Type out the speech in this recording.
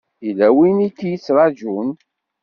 Yella win i k-yettṛajun.